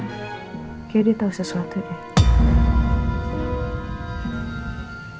kayaknya dia tahu sesuatu deh